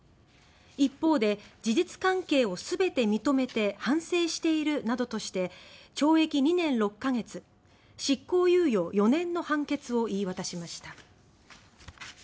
一方で、事実関係を全て認めて反省しているなどとして懲役２年６か月執行猶予４年の判決を言い渡しました。